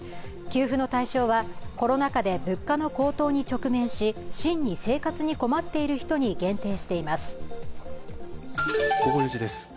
給付の対象はコロナ禍で物価の高騰に直面し、真に生活に困っている人に限定しています。